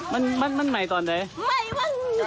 เมื่อเกิน๒๐นาที